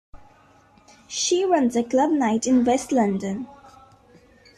She runs a club night in West London.